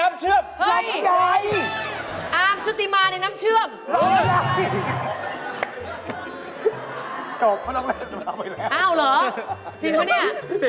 อ้าวเหรอจริงหรือเนี่ย